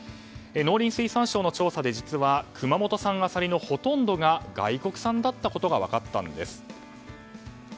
農林水産省の調査で実は、熊本県産アサリのほとんどが外国産だったことが分かったんです。